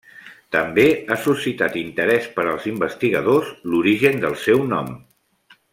També ha suscitat interès per als investigadors l'origen del seu nom.